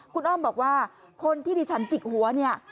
คุณอ้อมบอกว่าคนที่ดิฉันจิกหัวเนี่ย